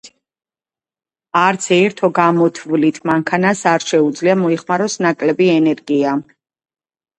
არც ერთო გამოთვლით მანქანას არ შეუძლია მოიხმაროს ნაკლები ენერგია.